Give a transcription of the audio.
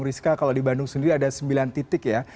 rizka kalau di bandung sendiri ada sembilan titik ya